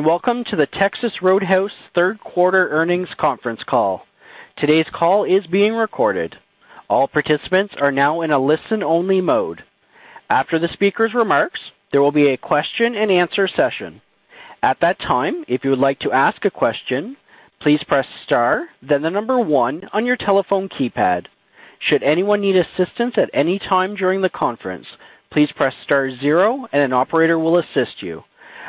Welcome to the Texas Roadhouse third quarter earnings conference call. Today's call is being recorded. All participants are now in a listen-only mode. After the speaker's remarks, there will be a question and answer session. At that time, if you would like to ask a question, please press star then the number 1 on your telephone keypad. Should anyone need assistance at any time during the conference, please press star 0 and an operator will assist you.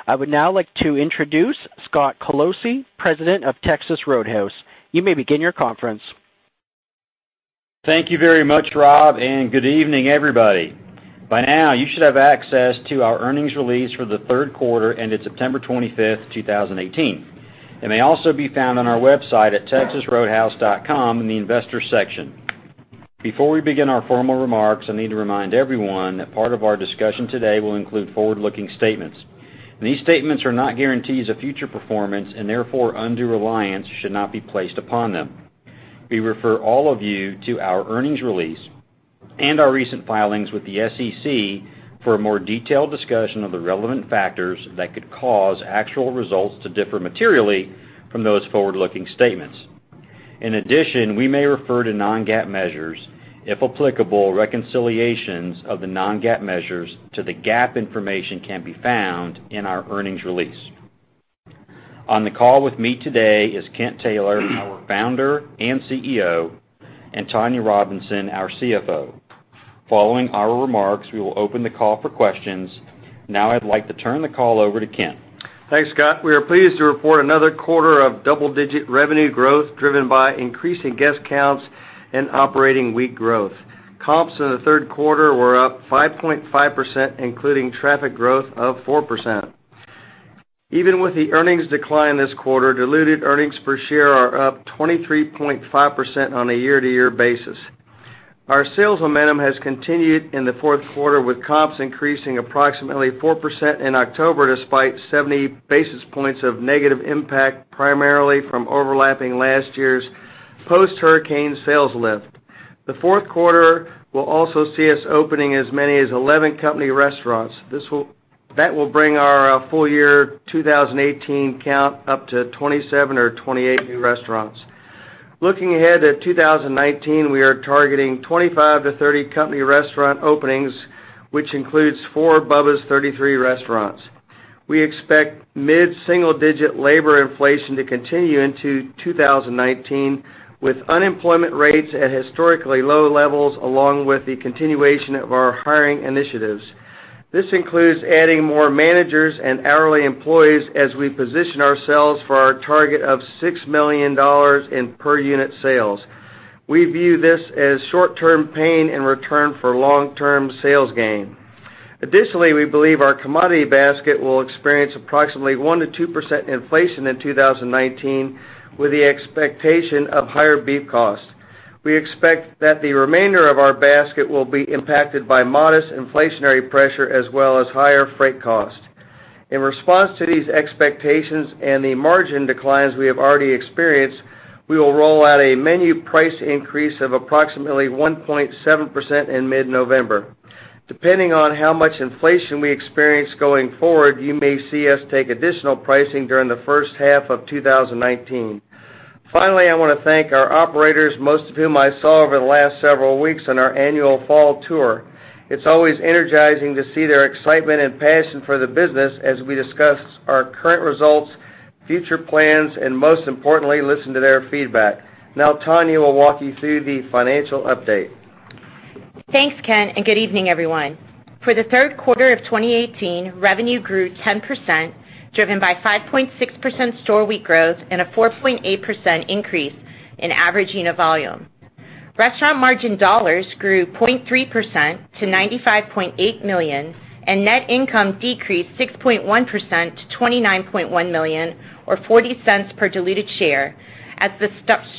I would now like to introduce Scott Colosi, President of Texas Roadhouse. You may begin your conference. Thank you very much, Rob. Good evening, everybody. By now, you should have access to our earnings release for the third quarter, ended September 25th, 2018. It may also be found on our website at texasroadhouse.com in the investor section. Before we begin our formal remarks, I need to remind everyone that part of our discussion today will include forward-looking statements. These statements are not guarantees of future performance, and therefore, undue reliance should not be placed upon them. We refer all of you to our earnings release and our recent filings with the SEC for a more detailed discussion of the relevant factors that could cause actual results to differ materially from those forward-looking statements. In addition, we may refer to non-GAAP measures. If applicable, reconciliations of the non-GAAP measures to the GAAP information can be found in our earnings release. On the call with me today is Kent Taylor, our founder and CEO, and Tonya Robinson, our CFO. Following our remarks, we will open the call for questions. I'd like to turn the call over to Kent. Thanks, Scott. We are pleased to report another quarter of double-digit revenue growth driven by increasing guest counts and operating week growth. Comps in the third quarter were up 5.5%, including traffic growth of 4%. Even with the earnings decline this quarter, diluted earnings per share are up 23.5% on a year-to-year basis. Our sales momentum has continued in the fourth quarter, with comps increasing approximately 4% in October, despite 70 basis points of negative impact, primarily from overlapping last year's post-hurricane sales lift. The fourth quarter will also see us opening as many as 11 company restaurants. That will bring our full-year 2018 count up to 27 or 28 new restaurants. Looking ahead at 2019, we are targeting 25 to 30 company restaurant openings, which includes four Bubba's 33 restaurants. We expect mid-single-digit labor inflation to continue into 2019, with unemployment rates at historically low levels, along with the continuation of our hiring initiatives. This includes adding more managers and hourly employees as we position ourselves for our target of $6 million in per-unit sales. We view this as short-term pain in return for long-term sales gain. Additionally, we believe our commodity basket will experience approximately 1%-2% inflation in 2019, with the expectation of higher beef costs. We expect that the remainder of our basket will be impacted by modest inflationary pressure as well as higher freight costs. In response to these expectations and the margin declines we have already experienced, we will roll out a menu price increase of approximately 1.7% in mid-November. Depending on how much inflation we experience going forward, you may see us take additional pricing during the first half of 2019. I want to thank our operators, most of whom I saw over the last several weeks on our annual fall tour. It's always energizing to see their excitement and passion for the business as we discuss our current results, future plans, and most importantly, listen to their feedback. Tonya will walk you through the financial update. Thanks, Kent, good evening, everyone. For the third quarter of 2018, revenue grew 10%, driven by 5.6% store week growth and a 4.8% increase in average unit volume. Restaurant margin dollars grew 0.3% to $95.8 million, and net income decreased 6.1% to $29.1 million or $0.40 per diluted share, as the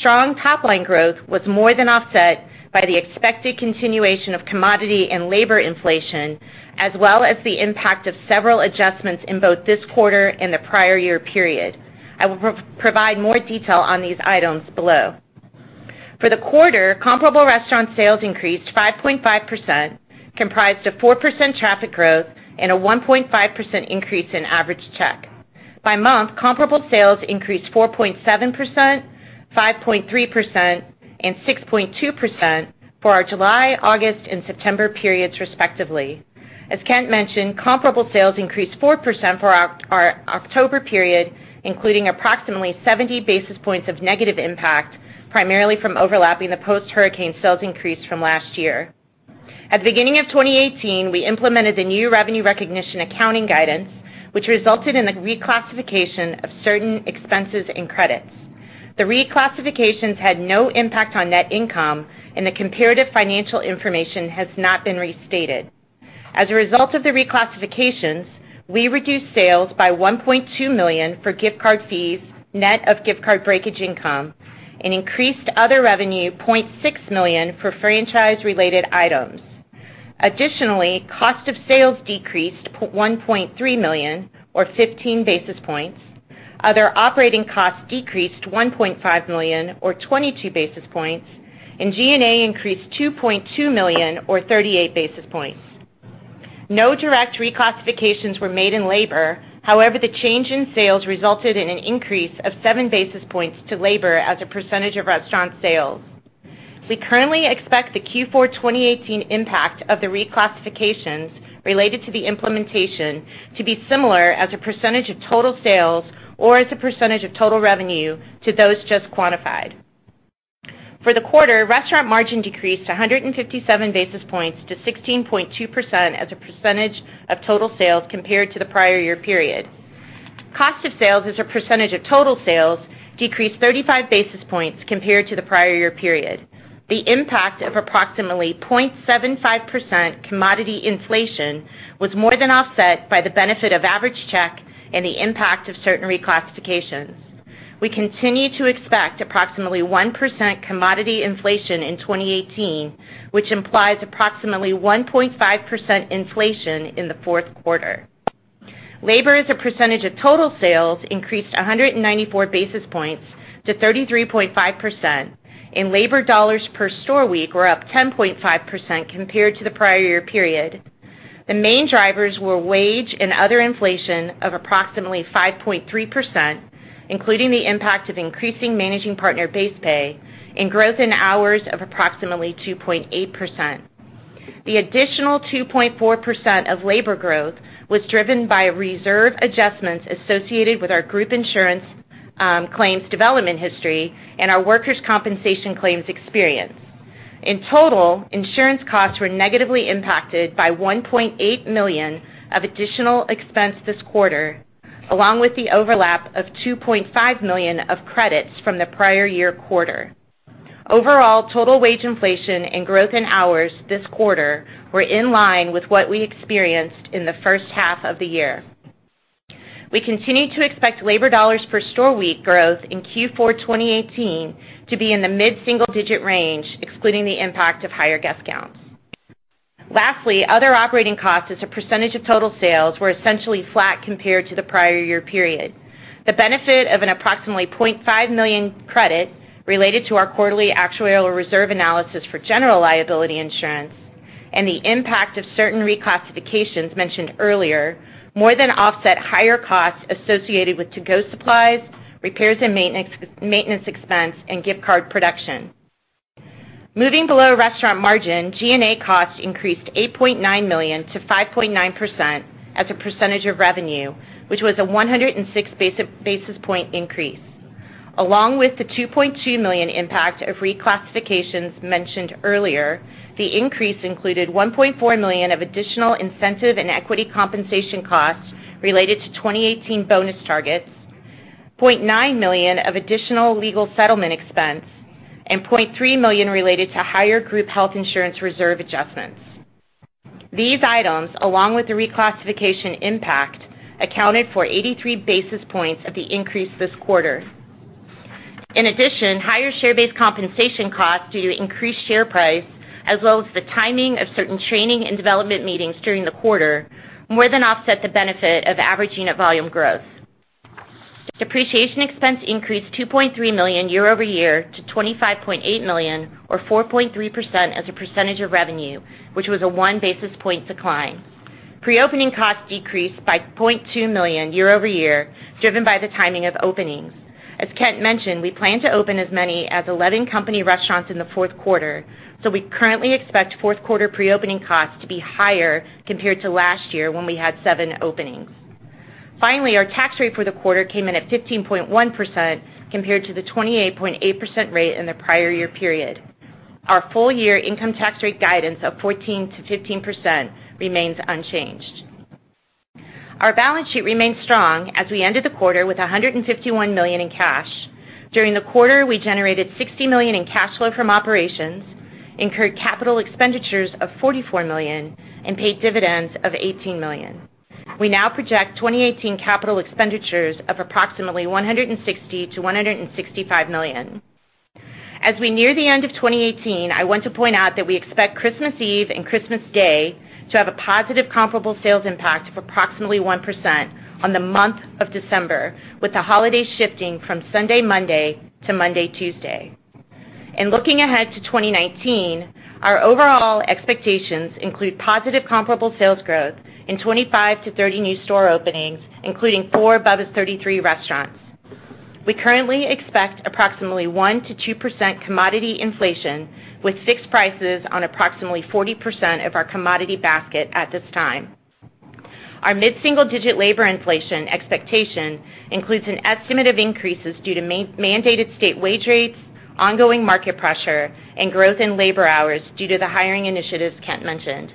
strong top-line growth was more than offset by the expected continuation of commodity and labor inflation, as well as the impact of several adjustments in both this quarter and the prior year period. I will provide more detail on these items below. For the quarter, comparable restaurant sales increased 5.5%, comprised of 4% traffic growth and a 1.5% increase in average check. By month, comparable sales increased 4.7%, 5.3%, and 6.2% for our July, August, and September periods respectively. As Kent mentioned, comparable sales increased 4% for our October period, including approximately 70 basis points of negative impact, primarily from overlapping the post-hurricane sales increase from last year. At the beginning of 2018, we implemented the new revenue recognition accounting guidance, which resulted in the reclassification of certain expenses and credits. The reclassifications had no impact on net income, the comparative financial information has not been restated. As a result of the reclassifications, we reduced sales by $1.2 million for gift card fees, net of gift card breakage income, increased other revenue $0.6 million for franchise-related items. Additionally, cost of sales decreased $1.3 million or 15 basis points. Other operating costs decreased to $1.5 million, or 22 basis points, G&A increased $2.2 million, or 38 basis points. No direct reclassifications were made in labor. However, the change in sales resulted in an increase of seven basis points to labor as a percentage of restaurant sales. We currently expect the Q4 2018 impact of the reclassifications related to the implementation to be similar as a percentage of total sales or as a percentage of total revenue to those just quantified. For the quarter, restaurant margin decreased 157 basis points to 16.2% as a percentage of total sales compared to the prior year period. Cost of sales as a percentage of total sales decreased 35 basis points compared to the prior year period. The impact of approximately 0.75% commodity inflation was more than offset by the benefit of average check and the impact of certain reclassifications. We continue to expect approximately 1% commodity inflation in 2018, which implies approximately 1.5% inflation in the fourth quarter. Labor as a percentage of total sales increased 194 basis points to 33.5%, and labor dollars per store week were up 10.5% compared to the prior year period. The main drivers were wage and other inflation of approximately 5.3%, including the impact of increasing Managing Partner base pay and growth in hours of approximately 2.8%. The additional 2.4% of labor growth was driven by reserve adjustments associated with our group insurance claims development history and our workers' compensation claims experience. In total, insurance costs were negatively impacted by $1.8 million of additional expense this quarter, along with the overlap of $2.5 million of credits from the prior year quarter. Overall, total wage inflation and growth in hours this quarter were in line with what we experienced in the first half of the year. We continue to expect labor dollars per store week growth in Q4 2018 to be in the mid-single digit range, excluding the impact of higher guest counts. Lastly, other operating costs as a percentage of total sales were essentially flat compared to the prior year period. The benefit of an approximately $0.5 million credit related to our quarterly actuarial reserve analysis for general liability insurance and the impact of certain reclassifications mentioned earlier more than offset higher costs associated with to-go supplies, repairs and maintenance expense, and gift card production. Moving below restaurant margin, G&A costs increased $8.9 million to 5.9% as a percentage of revenue, which was a 106 basis point increase. Along with the $2.2 million impact of reclassifications mentioned earlier, the increase included $1.4 million of additional incentive and equity compensation costs related to 2018 bonus targets, $0.9 million of additional legal settlement expense, and $0.3 million related to higher group health insurance reserve adjustments. These items, along with the reclassification impact, accounted for 83 basis points of the increase this quarter. In addition, higher share-based compensation costs due to increased share price, as well as the timing of certain training and development meetings during the quarter, more than offset the benefit of average unit volume growth. Depreciation expense increased $2.3 million year-over-year to $25.8 million, or 4.3% as a percentage of revenue, which was a one basis point decline. Pre-opening costs decreased by $0.2 million year-over-year, driven by the timing of openings. As Kent mentioned, we plan to open as many as 11 company restaurants in the fourth quarter. We currently expect fourth quarter pre-opening costs to be higher compared to last year when we had seven openings. Finally, our tax rate for the quarter came in at 15.1% compared to the 28.8% rate in the prior year period. Our full-year income tax rate guidance of 14%-15% remains unchanged. Our balance sheet remains strong as we ended the quarter with $151 million in cash. During the quarter, we generated $60 million in cash flow from operations, incurred capital expenditures of $44 million, and paid dividends of $18 million. We now project 2018 capital expenditures of approximately $160 million-$165 million. As we near the end of 2018, I want to point out that we expect Christmas Eve and Christmas Day to have a positive comparable sales impact of approximately 1% on the month of December, with the holiday shifting from Sunday, Monday to Monday, Tuesday. Looking ahead to 2019, our overall expectations include positive comparable sales growth and 25 to 30 new store openings, including four Bubba's 33 restaurants. We currently expect approximately 1%-2% commodity inflation with fixed prices on approximately 40% of our commodity basket at this time. Our mid-single digit labor inflation expectation includes an estimate of increases due to mandated state wage rates, ongoing market pressure, and growth in labor hours due to the hiring initiatives Kent mentioned.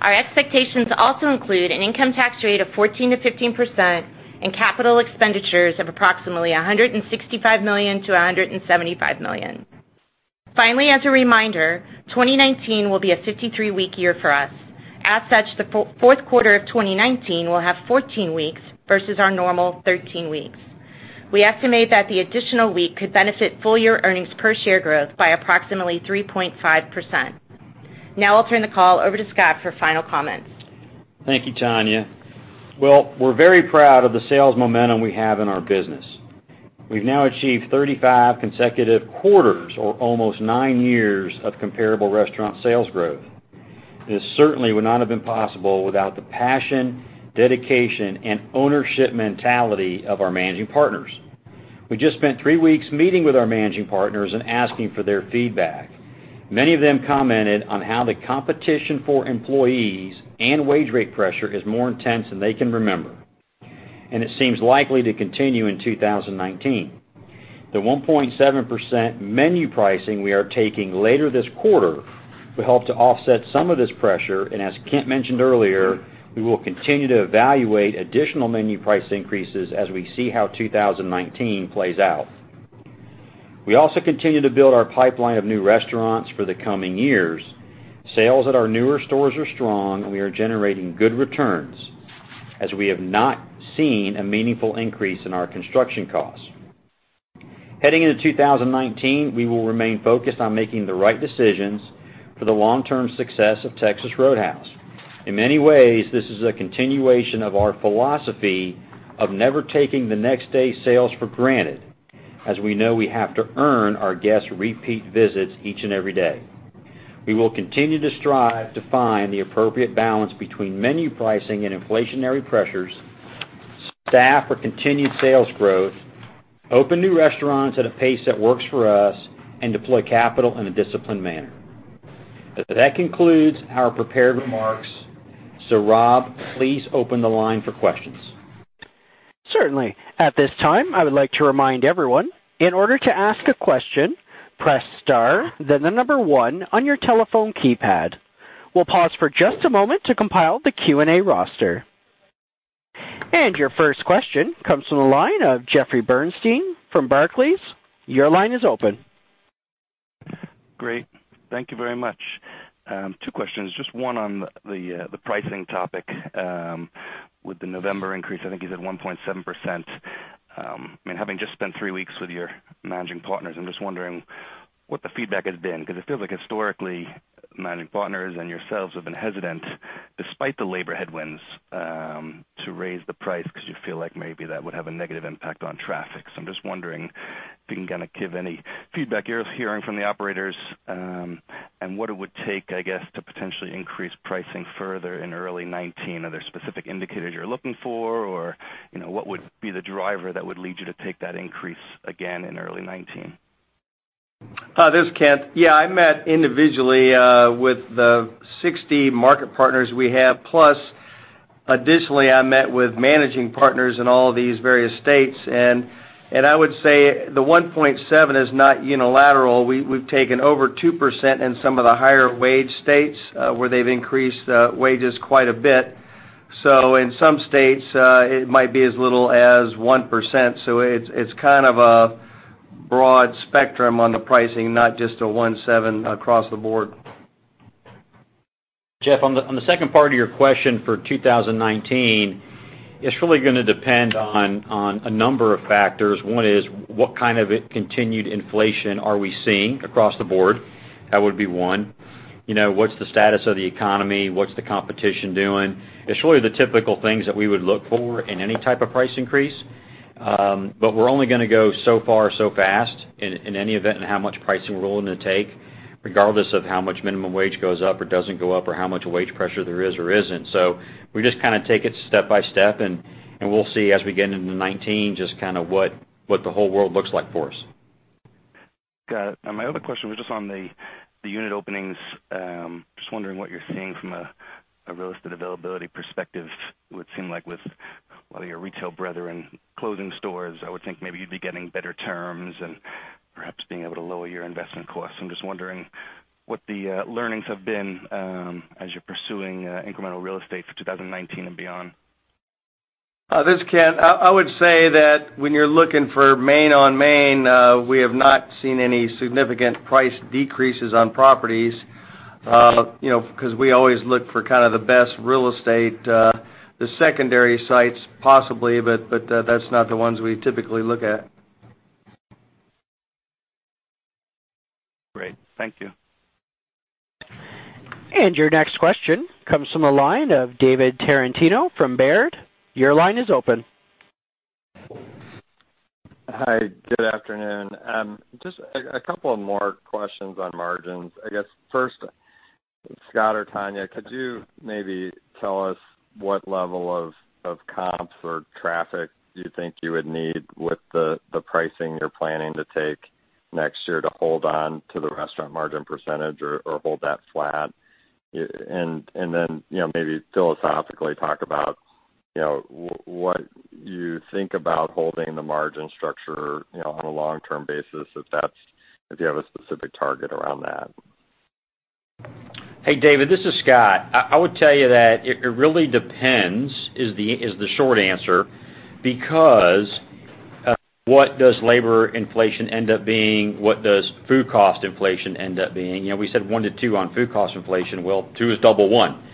Our expectations also include an income tax rate of 14%-15% and capital expenditures of approximately $165 million-$175 million. Finally, as a reminder, 2019 will be a 53-week year for us. As such, the fourth quarter of 2019 will have 14 weeks versus our normal 13 weeks. We estimate that the additional week could benefit full-year earnings per share growth by approximately 3.5%. I'll turn the call over to Scott for final comments. Thank you, Tonya. We're very proud of the sales momentum we have in our business. We've now achieved 35 consecutive quarters or almost nine years of comparable restaurant sales growth. This certainly would not have been possible without the passion, dedication, and ownership mentality of our Managing Partners. We just spent three weeks meeting with our Managing Partners and asking for their feedback. Many of them commented on how the competition for employees and wage rate pressure is more intense than they can remember, and it seems likely to continue in 2019. The 1.7% menu pricing we are taking later this quarter will help to offset some of this pressure, and as Kent mentioned earlier, we will continue to evaluate additional menu price increases as we see how 2019 plays out. We also continue to build our pipeline of new restaurants for the coming years. Sales at our newer stores are strong. We are generating good returns as we have not seen a meaningful increase in our construction costs. Heading into 2019, we will remain focused on making the right decisions for the long-term success of Texas Roadhouse. In many ways, this is a continuation of our philosophy of never taking the next day's sales for granted, as we know we have to earn our guests' repeat visits each and every day. We will continue to strive to find the appropriate balance between menu pricing and inflationary pressures, staff our continued sales growth, open new restaurants at a pace that works for us, and deploy capital in a disciplined manner. That concludes our prepared remarks. Rob, please open the line for questions. Certainly. At this time, I would like to remind everyone, in order to ask a question, press star, then the number 1 on your telephone keypad. We'll pause for just a moment to compile the Q&A roster. Your first question comes from the line of Jeffrey Bernstein from Barclays. Your line is open. Great. Thank you very much. Two questions. Just one on the pricing topic. With the November increase, I think you said 1.7%. Having just spent three weeks with your Managing Partners, I'm just wondering what the feedback has been because it feels like historically, Managing Partners and yourselves have been hesitant, despite the labor headwinds, to raise the price because you feel like maybe that would have a negative impact on traffic. I'm just wondering if you can give any feedback you're hearing from the operators, and what it would take, I guess, to potentially increase pricing further in early 2019. Are there specific indicators you're looking for, or what would be the driver that would lead you to take that increase again in early 2019? Hi, this is Kent. I met individually with the 60 Market Partners we have, plus additionally, I met with Managing Partners in all of these various states. I would say the 1.7 is not unilateral. We've taken over 2% in some of the higher wage states where they've increased wages quite a bit. In some states, it might be as little as 1%, it's kind of a broad spectrum on the pricing, not just a 1.7 across the board. Jeff, on the second part of your question for 2019, it's really going to depend on a number of factors. One is, what kind of a continued inflation are we seeing across the board? That would be one. What's the status of the economy? What's the competition doing? It's really the typical things that we would look for in any type of price increase, we're only going to go so far, so fast in any event, in how much pricing we're willing to take, regardless of how much minimum wage goes up or doesn't go up or how much wage pressure there is or isn't. We just kind of take it step by step, we'll see as we get into 2019, just what the whole world looks like for us. Got it. My other question was just on the unit openings. Just wondering what you're seeing from a real estate availability perspective. Would seem like with a lot of your retail brethren closing stores, I would think maybe you'd be getting better terms and perhaps being able to lower your investment costs. I'm just wondering what the learnings have been as you're pursuing incremental real estate for 2019 and beyond. This is Kent. I would say that when you're looking for main on main, we have not seen any significant price decreases on properties because we always look for kind of the best real estate. The secondary sites, possibly, that's not the ones we typically look at. Great. Thank you. Your next question comes from the line of David Tarantino from Baird. Your line is open. Hi, good afternoon. Just a couple of more questions on margins. I guess first, Scott or Tonya, could you maybe tell us what level of comps or traffic do you think you would need with the pricing you're planning to take next year to hold on to the restaurant margin percentage or hold that flat? Then maybe philosophically talk about what you think about holding the margin structure on a long-term basis if you have a specific target around that. Hey, David, this is Scott. I would tell you that it really depends, is the short answer, because what does labor inflation end up being? What does food cost inflation end up being? We said one to two on food cost inflation. Well, two is double one.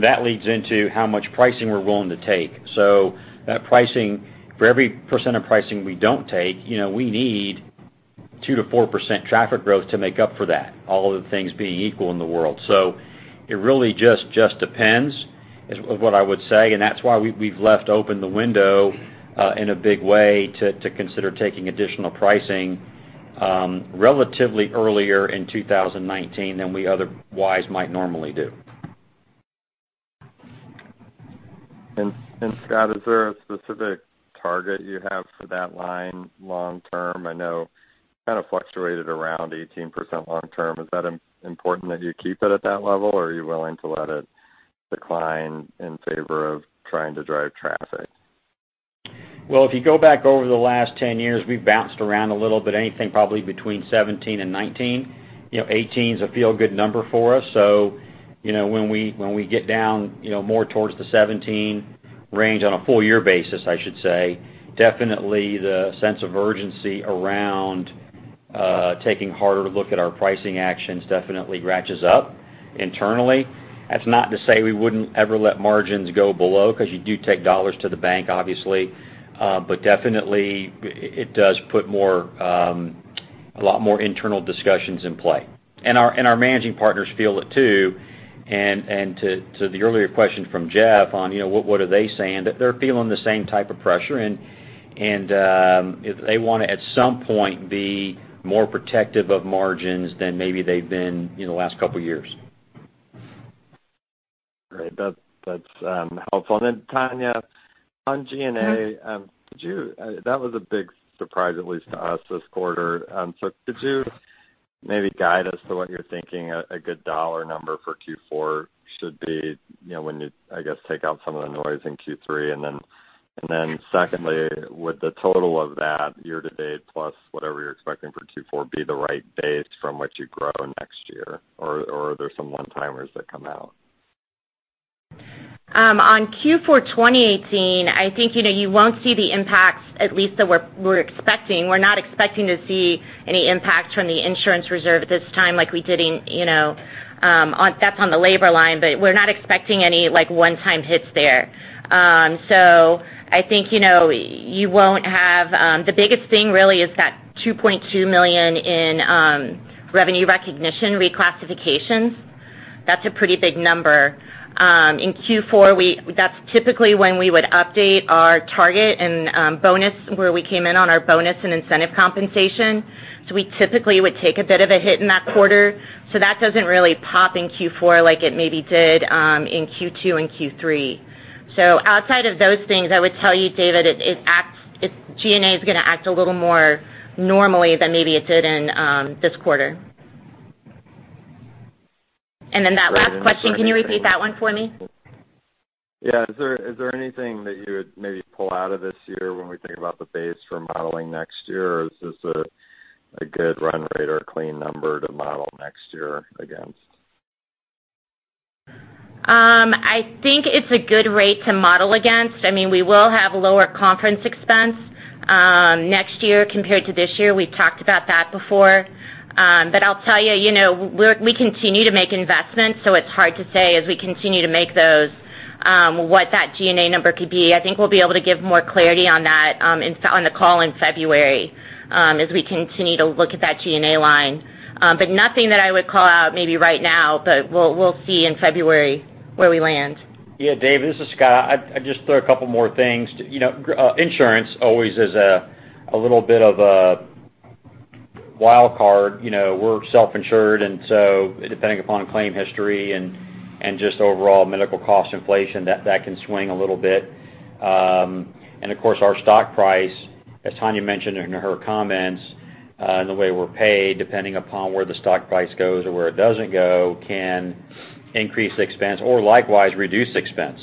That leads into how much pricing we're willing to take. For every percent of pricing we don't take, we need 2%-4% traffic growth to make up for that, all of the things being equal in the world. It really just depends, is what I would say, and that's why we've left open the window in a big way to consider taking additional pricing relatively earlier in 2019 than we otherwise might normally do. Scott, is there a specific target you have for that line long term? I know it kind of fluctuated around 18% long term. Is that important that you keep it at that level, or are you willing to let it decline in favor of trying to drive traffic? If you go back over the last 10 years, we've bounced around a little bit, anything probably between 17 and 19. 18 is a feel-good number for us, so when we get down more towards the 17 range on a full year basis, I should say, definitely the sense of urgency around taking harder look at our pricing actions definitely ratchets up internally. That's not to say we wouldn't ever let margins go below, because you do take dollars to the bank, obviously. Definitely, it does put a lot more internal discussions in play. Our Managing Partners feel it, too. To the earlier question from Jeff on what are they saying, they're feeling the same type of pressure, and they want to, at some point, be more protective of margins than maybe they've been in the last couple of years. Great. That's helpful. Tonya, on G&A, that was a big surprise, at least to us, this quarter. Could you maybe guide us to what you're thinking a good dollar number for Q4 should be when you, I guess, take out some of the noise in Q3? Secondly, would the total of that year-to-date, plus whatever you're expecting for Q4, be the right base from which you grow next year? Or are there some one-timers that come out? On Q4 2018, I think you won't see the impacts, at least that we're expecting. We're not expecting to see any impact from the insurance reserve this time like we did in That's on the labor line, but we're not expecting any one-time hits there. I think the biggest thing really is that $2.2 million in revenue recognition reclassifications. That's a pretty big number. In Q4, that's typically when we would update our target and bonus, where we came in on our bonus and incentive compensation. We typically would take a bit of a hit in that quarter. That doesn't really pop in Q4 like it maybe did in Q2 and Q3. Outside of those things, I would tell you, David, G&A is going to act a little more normally than maybe it did in this quarter. That last question, can you repeat that one for me? Yeah. Is there anything that you would maybe pull out of this year when we think about the base for modeling next year, or is this a good run rate or clean number to model next year against? I think it's a good rate to model against. We will have lower conference expense next year compared to this year. We've talked about that before. I'll tell you, we continue to make investments, so it's hard to say as we continue to make those, what that G&A number could be. I think we'll be able to give more clarity on that on the call in February, as we continue to look at that G&A line. Nothing that I would call out maybe right now, but we'll see in February where we land. Yeah, David, this is Scott. I'd just throw a couple more things. Insurance always is a little bit of a wild card. We're self-insured, depending upon claim history and just overall medical cost inflation, that can swing a little bit. Of course, our stock price, as Tonya mentioned in her comments, and the way we're paid, depending upon where the stock price goes or where it doesn't go, can increase expense or likewise reduce expense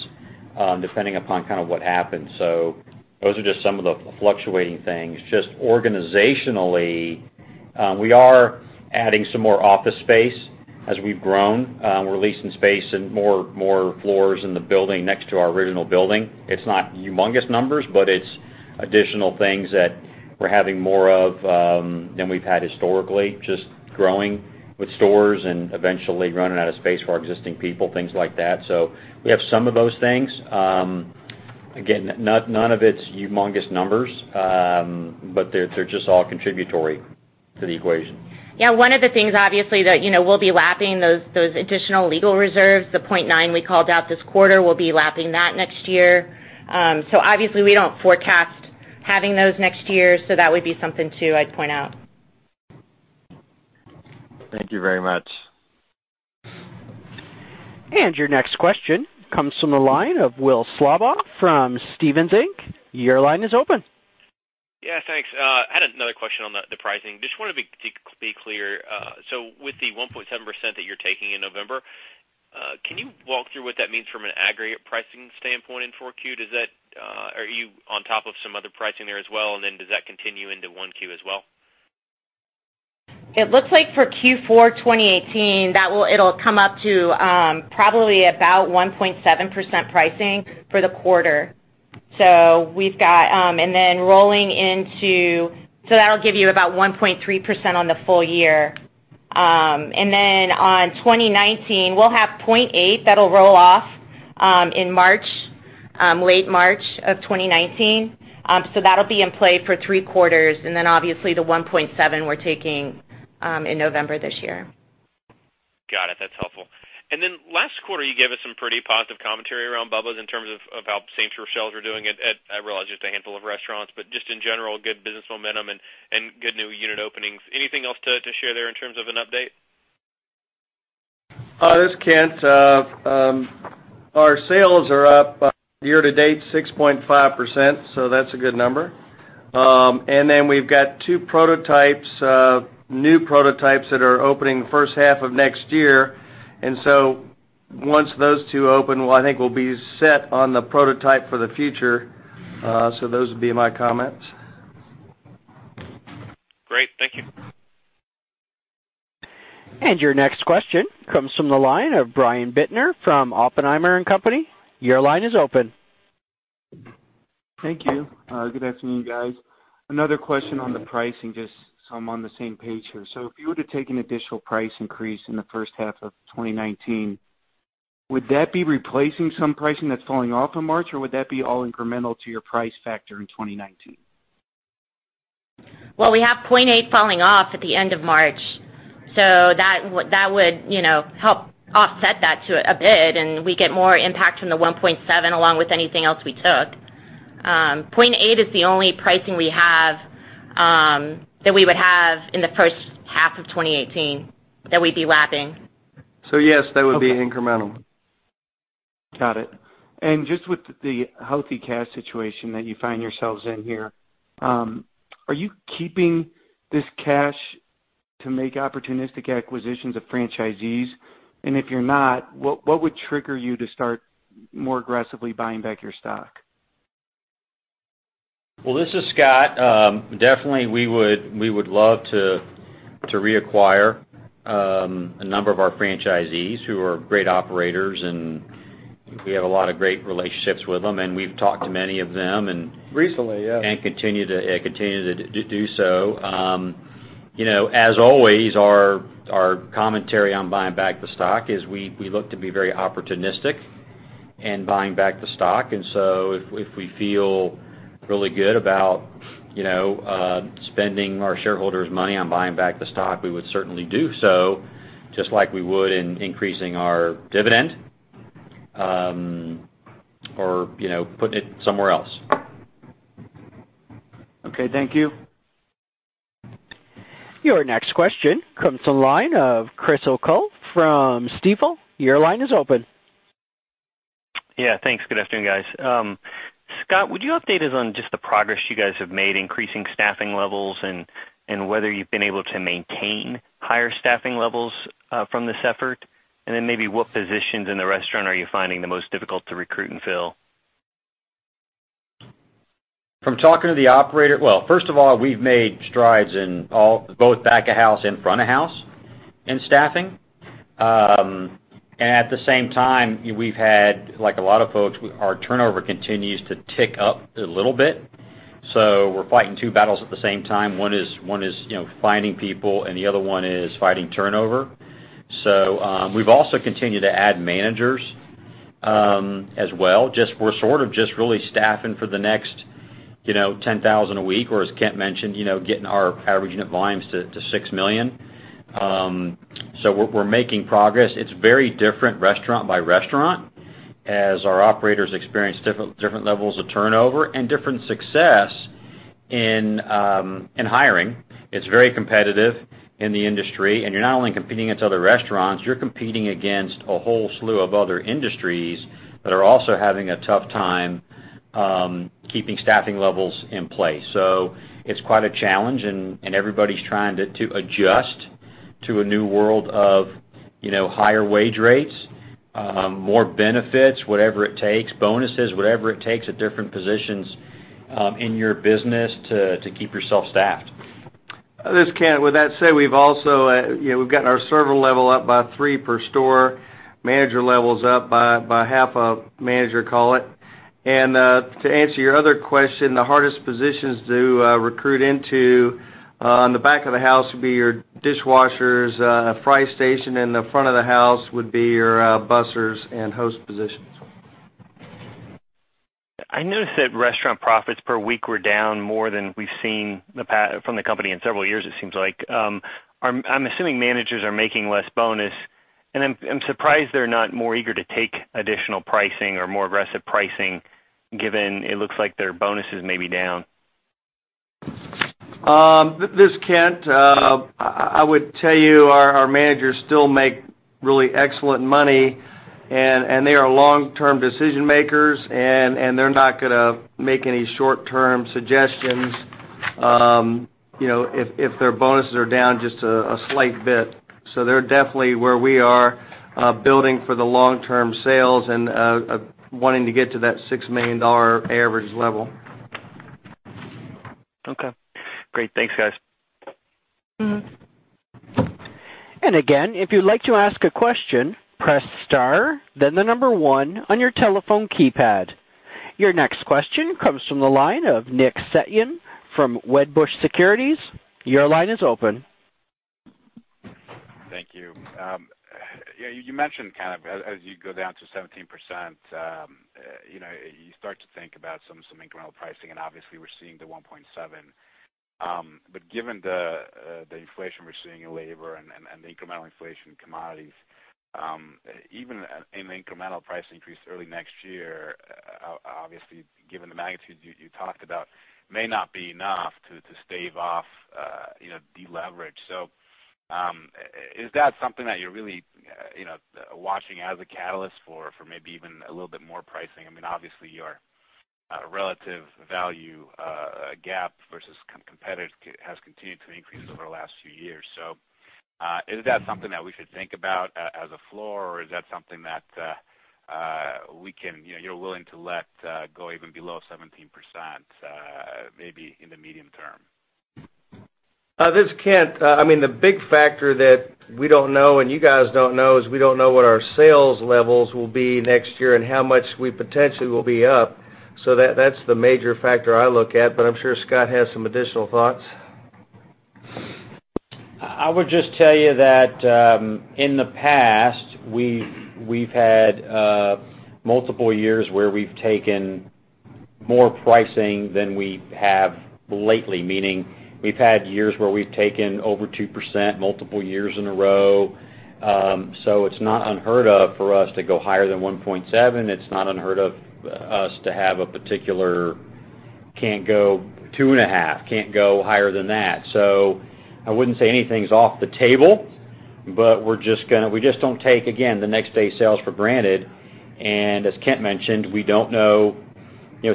depending upon what happens. Those are just some of the fluctuating things. Just organizationally, we are adding some more office space as we've grown. We're leasing space in more floors in the building next to our original building. It's not humongous numbers, but it's additional things that we're having more of than we've had historically, just growing with stores and eventually running out of space for our existing people, things like that. We have some of those things. Again, none of it's humongous numbers. They're just all contributory to the equation. Yeah. One of the things, obviously, that we'll be lapping those additional legal reserves, the 0.9 we called out this quarter, we'll be lapping that next year. Obviously, we don't forecast having those next year, so that would be something, too, I'd point out. Thank you very much. Your next question comes from the line of Will Slabaugh from Stephens Inc. Your line is open. Yeah, thanks. I had another question on the pricing. Just wanted to be clear. With the 1.7% that you're taking in November, can you walk through what that means from an aggregate pricing standpoint in Q4? Are you on top of some other pricing there as well, does that continue into Q1 as well? It looks like for Q4 2018, it'll come up to probably about 1.7% pricing for the quarter. That'll give you about 1.3% on the full year. On 2019, we'll have 0.8 that'll roll off in March, late March of 2019. That'll be in play for three quarters, obviously the 1.7 we're taking in November this year. Got it. That's helpful. Last quarter, you gave us some pretty positive commentary around Bubba's in terms of how same-store sales were doing at, I realize, just a handful of restaurants, but just in general, good business momentum and good new unit openings. Anything else to share there in terms of an update? This is Kent. Our sales are up year to date 6.5%, that's a good number. We've got two prototypes, new prototypes that are opening the first half of next year. Once those two open, well, I think we'll be set on the prototype for the future. Those would be my comments. Great. Thank you. Your next question comes from the line of Brian Bittner from Oppenheimer & Company. Your line is open. Thank you. Good afternoon, guys. Another question on the pricing, just so I'm on the same page here. If you were to take an additional price increase in the first half of 2019, would that be replacing some pricing that's falling off in March, would that be all incremental to your price factor in 2019? We have 0.8% falling off at the end of March, that would help offset that to a bit, we get more impact from the 1.7% along with anything else we took. 0.8% is the only pricing we have, that we would have in the first half of 2018 that we'd be lapping. Yes, that would be incremental. Got it. Just with the healthy cash situation that you find yourselves in here, are you keeping this cash to make opportunistic acquisitions of franchisees? If you're not, what would trigger you to start more aggressively buying back your stock? This is Scott. Definitely we would love to reacquire a number of our franchisees who are great operators, and we have a lot of great relationships with them, and we've talked to many of them. Recently, yeah. continue to do so. As always, our commentary on buying back the stock is we look to be very opportunistic in buying back the stock. If we feel really good about spending our shareholders' money on buying back the stock, we would certainly do so, just like we would in increasing our dividend, or putting it somewhere else. Okay. Thank you. Your next question comes from the line of Chris O'Cull from Stifel. Your line is open. Yeah. Thanks. Good afternoon, guys. Scott, would you update us on just the progress you guys have made increasing staffing levels and whether you've been able to maintain higher staffing levels from this effort? Maybe what positions in the restaurant are you finding the most difficult to recruit and fill? First of all, we've made strides in both back of house and front of house in staffing. At the same time, we've had, like a lot of folks, our turnover continues to tick up a little bit. We're fighting two battles at the same time. One is finding people, and the other one is fighting turnover. We've also continued to add managers as well. We're sort of just really staffing for the next 10,000 a week or, as Kent mentioned, getting our average unit volumes to $6 million. We're making progress. It's very different restaurant by restaurant as our operators experience different levels of turnover and different success in hiring. It's very competitive in the industry, you're not only competing against other restaurants, you're competing against a whole slew of other industries that are also having a tough time keeping staffing levels in place. It's quite a challenge, and everybody's trying to adjust to a new world of higher wage rates, more benefits, whatever it takes, bonuses, whatever it takes at different positions in your business to keep yourself staffed. This is Kent. With that said, we've gotten our server level up by three per store, manager levels up by half a manager, call it. To answer your other question, the hardest positions to recruit into on the back of the house would be your dishwashers, fry station, and the front of the house would be your bussers and host positions. I noticed that restaurant profits per week were down more than we've seen from the company in several years, it seems like. I'm assuming managers are making less bonus, and I'm surprised they're not more eager to take additional pricing or more aggressive pricing, given it looks like their bonuses may be down. This is Kent. I would tell you our managers still make really excellent money. They are long-term decision makers. They're not going to make any short-term suggestions if their bonuses are down just a slight bit. They're definitely where we are building for the long-term sales and wanting to get to that $6 million average level. Okay, great. Thanks, guys. Again, if you'd like to ask a question, press star then the number one on your telephone keypad. Your next question comes from the line of Nick Setyan from Wedbush Securities. Your line is open. Thank you. You mentioned as you go down to 17%, you start to think about some incremental pricing. Obviously, we're seeing the 1.7%. Given the inflation we're seeing in labor and the incremental inflation in commodities, even an incremental price increase early next year, obviously given the magnitude you talked about, may not be enough to stave off de-leverage. Is that something that you're really watching as a catalyst for maybe even a little bit more pricing? Obviously, your relative value gap versus competitors has continued to increase over the last few years. Is that something that we should think about as a floor, or is that something that you're willing to let go even below 17%, maybe in the medium term? This is Kent. The big factor that we don't know and you guys don't know is we don't know what our sales levels will be next year and how much we potentially will be up. That's the major factor I look at, I'm sure Scott has some additional thoughts. I would just tell you that in the past, we've had multiple years where we've taken more pricing than we have lately, meaning we've had years where we've taken over 2% multiple years in a row. It's not unheard of for us to go higher than 1.7%. It's not unheard of us to have a particular, can't go 2.5%, can't go higher than that. I wouldn't say anything's off the table, we just don't take, again, the next day's sales for granted. As Kent mentioned, we don't know,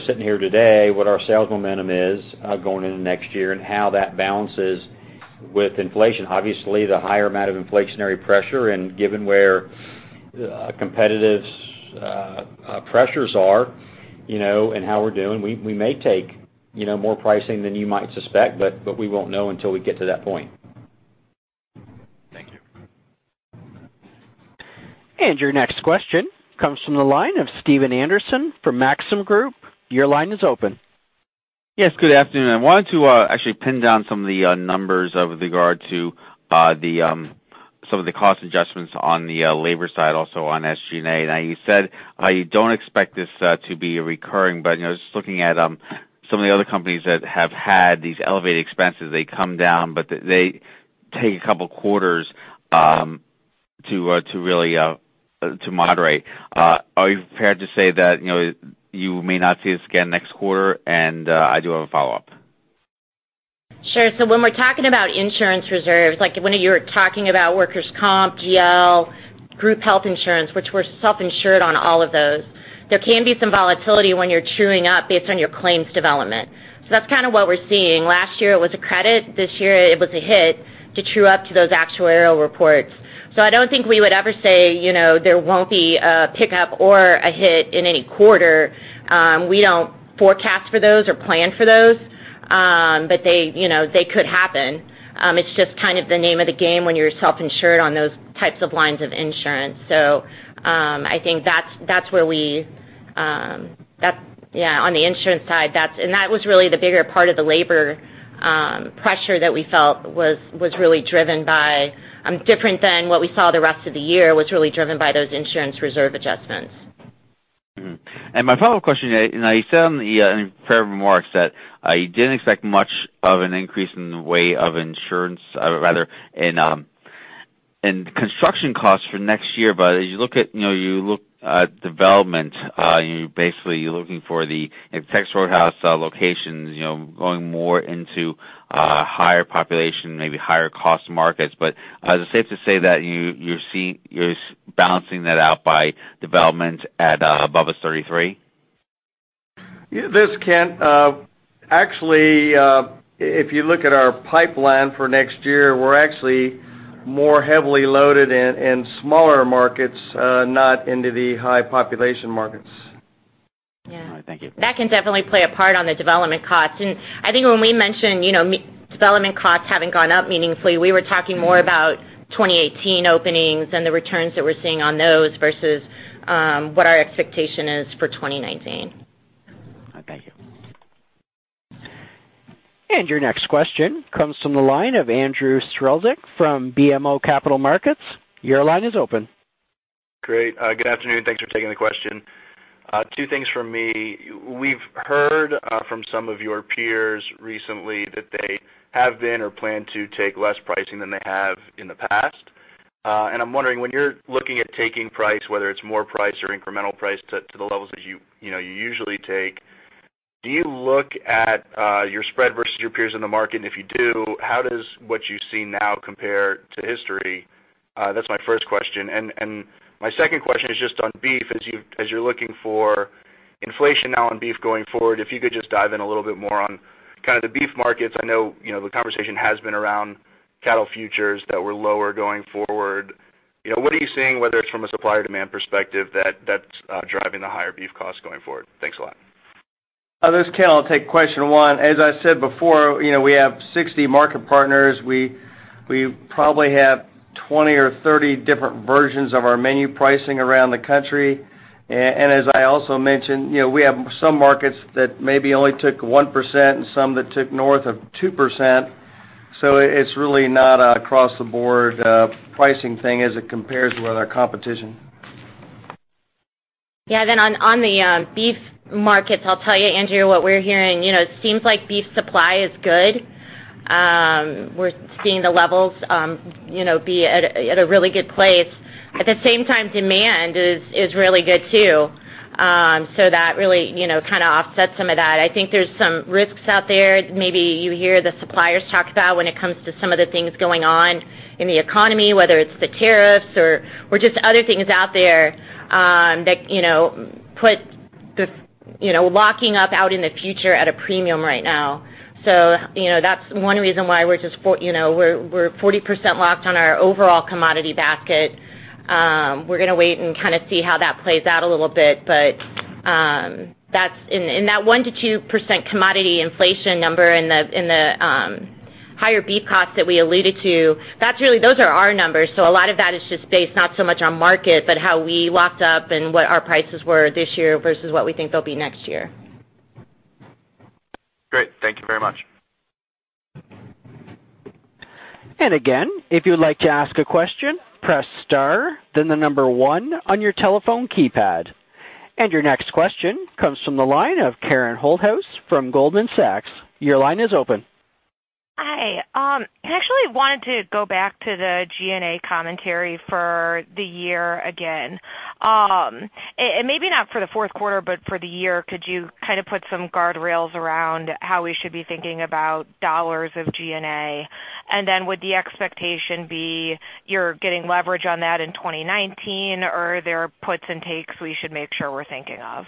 sitting here today, what our sales momentum is going into next year and how that balances with inflation. Obviously, the higher amount of inflationary pressure and given where competitive pressures are and how we're doing, we may take more pricing than you might suspect, we won't know until we get to that point. Thank you. Your next question comes from the line of Stephen Anderson from Maxim Group. Your line is open. Yes, good afternoon. I wanted to actually pin down some of the numbers with regard to some of the cost adjustments on the labor side, also on SG&A. You said you don't expect this to be recurring, but just looking at some of the other companies that have had these elevated expenses, they come down, but they take 2 quarters to moderate. Are you prepared to say that you may not see this again next quarter? I do have a follow-up. Sure. When we're talking about insurance reserves, like when you were talking about workers' comp, GL, group health insurance, which we're self-insured on all of those, there can be some volatility when you're truing up based on your claims development. That's kind of what we're seeing. Last year it was a credit, this year it was a hit to true up to those actuarial reports. I don't think we would ever say there won't be a pickup or a hit in any quarter. We don't forecast for those or plan for those, but they could happen. It's just kind of the name of the game when you're self-insured on those types of lines of insurance. I think on the insurance side, that was really the bigger part of the labor pressure that we felt was really driven by different than what we saw the rest of the year, was really driven by those insurance reserve adjustments. Mm-hmm. My follow-up question, you said in the prepared remarks that you didn't expect much of an increase in the way of insurance, or rather in construction costs for next year. As you look at development, basically you're looking for the Texas Roadhouse locations, going more into higher population, maybe higher cost markets. Is it safe to say that you're balancing that out by development at Bubba's 33? This is Kent. Actually, if you look at our pipeline for next year, we're actually more heavily loaded in smaller markets, not into the high population markets. All right. Thank you. That can definitely play a part on the development costs. I think when we mentioned development costs haven't gone up meaningfully, we were talking more about 2018 openings and the returns that we're seeing on those versus what our expectation is for 2019. Okay. Thank you. Your next question comes from the line of Andrew Strelzik from BMO Capital Markets. Your line is open. Great. Good afternoon. Thanks for taking the question. Two things from me. We've heard from some of your peers recently that they have been or plan to take less pricing than they have in the past. I'm wondering, when you're looking at taking price, whether it's more price or incremental price to the levels that you usually take, do you look at your spread versus your peers in the market? If you do, how does what you see now compare to history? That's my first question. My second question is just on beef. As you're looking for inflation now on beef going forward, if you could just dive in a little bit more on kind of the beef markets. I know the conversation has been around cattle futures that were lower going forward. What are you seeing, whether it's from a supply or demand perspective, that's driving the higher beef costs going forward? Thanks a lot. This is Kent. I'll take question one. As I said before, we have 60 Market Partners. We probably have 20 or 30 different versions of our menu pricing around the country. As I also mentioned, we have some markets that maybe only took 1% and some that took north of 2%. It's really not an across-the-board pricing thing as it compares with our competition. Yeah. On the beef markets, I'll tell you, Andrew, what we're hearing. It seems like beef supply is good. We're seeing the levels be at a really good place. At the same time, demand is really good, too. That really kind of offsets some of that. I think there's some risks out there. Maybe you hear the suppliers talk about when it comes to some of the things going on in the economy, whether it's the tariffs or just other things out there that put the locking up out in the future at a premium right now. That's one reason why we're 40% locked on our overall commodity basket. We're going to wait and kind of see how that plays out a little bit. In that 1%-2% commodity inflation number in the higher beef cost that we alluded to, those are our numbers. A lot of that is just based not so much on market, but how we locked up and what our prices were this year versus what we think they'll be next year. Great. Thank you very much. Again, if you'd like to ask a question, press star, the number one on your telephone keypad. Your next question comes from the line of Karen Holthouse from Goldman Sachs. Your line is open. Hi. I actually wanted to go back to the G&A commentary for the year again. Maybe not for the fourth quarter, but for the year, could you kind of put some guardrails around how we should be thinking about dollars of G&A? Then would the expectation be you're getting leverage on that in 2019? Are there puts and takes we should make sure we're thinking of?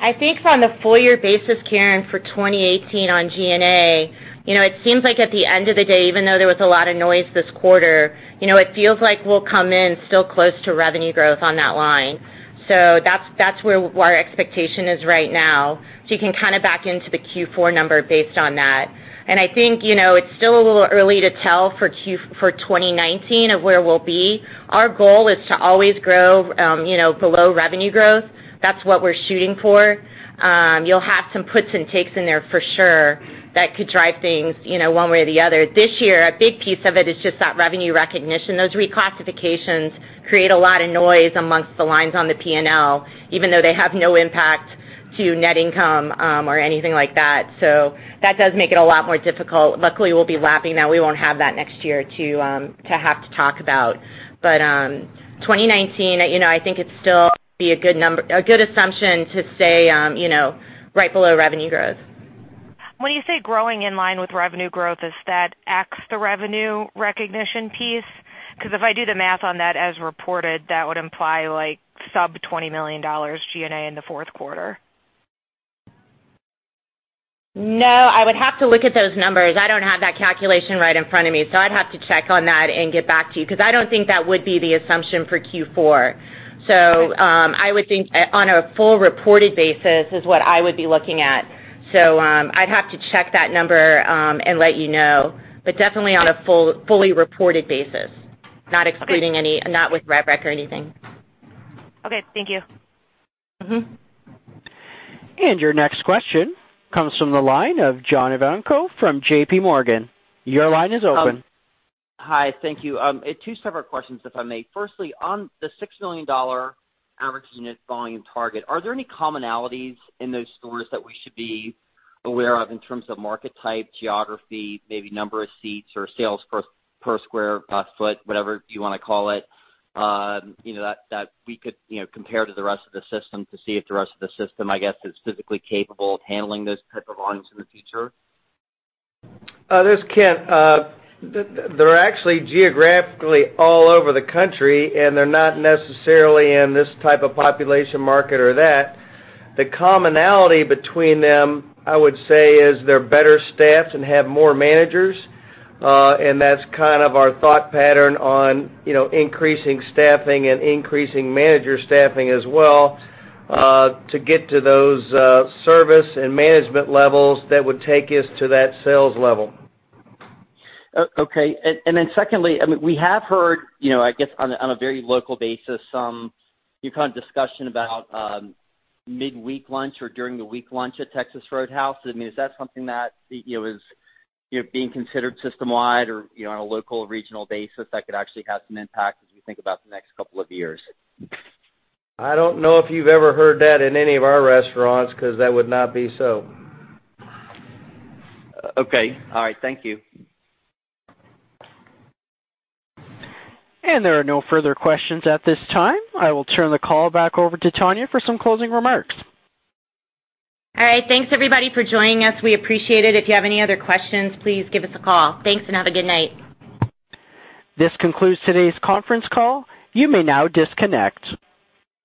I think on the full year basis, Karen, for 2018 on G&A, it seems like at the end of the day, even though there was a lot of noise this quarter, it feels like we'll come in still close to revenue growth on that line. That's where our expectation is right now. You can kind of back into the Q4 number based on that. I think, it's still a little early to tell for 2019 of where we'll be. Our goal is to always grow below revenue growth. That's what we're shooting for. You'll have some puts and takes in there for sure that could drive things one way or the other. This year, a big piece of it is just that revenue recognition. Those reclassifications create a lot of noise amongst the lines on the P&L, even though they have no impact to net income or anything like that. That does make it a lot more difficult. Luckily, we'll be lapping that. We won't have that next year to have to talk about. 2019, I think it'd still be a good assumption to say right below revenue growth. When you say growing in line with revenue growth, is that ex the revenue recognition piece? If I do the math on that as reported, that would imply sub $20 million G&A in the fourth quarter. I would have to look at those numbers. I don't have that calculation right in front of me, I'd have to check on that and get back to you, because I don't think that would be the assumption for Q4. I would think on a full reported basis is what I would be looking at. I'd have to check that number and let you know. Definitely on a fully reported basis, not with rev rec or anything. Okay. Thank you. Your next question comes from the line of John Ivankoe from JP Morgan. Your line is open. Hi. Thank you. Two separate questions, if I may. Firstly, on the $6 million average unit volume target, are there any commonalities in those stores that we should be aware of in terms of market type, geography, maybe number of seats or sales per square foot, whatever you want to call it, that we could compare to the rest of the system to see if the rest of the system, I guess, is physically capable of handling those type of volumes in the future? This is Kent. They're actually geographically all over the country, they're not necessarily in this type of population market or that. The commonality between them, I would say, is they're better staffed and have more managers. That's kind of our thought pattern on increasing staffing and increasing manager staffing as well, to get to those service and management levels that would take us to that sales level. Okay. Secondly, we have heard, I guess, on a very local basis, some kind of discussion about mid-week lunch or during the week lunch at Texas Roadhouse. Is that something that is being considered system-wide or on a local regional basis that could actually have some impact as we think about the next couple of years? I don't know if you've ever heard that in any of our restaurants, because that would not be so. Okay. All right. Thank you. There are no further questions at this time. I will turn the call back over to Tonya for some closing remarks. All right. Thanks everybody for joining us. We appreciate it. If you have any other questions, please give us a call. Thanks, and have a good night. This concludes today's conference call. You may now disconnect.